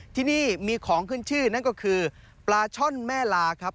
ที่นี่มีของขึ้นชื่อนั่นก็คือปลาช่อนแม่ลาครับ